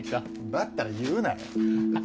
だったら言うなよ。